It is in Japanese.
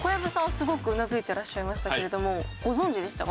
すごくうなずいてらっしゃいましたけれどもご存じでしたか？